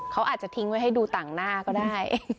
เขาอาจจะทิ้งไว้ให้ดูต่างหน้าก็ได้